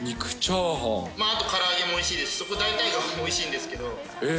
あとから揚げもおいしいですし、そこ大体なんでもおいしいんですけど。